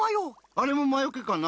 あれもまよけかな？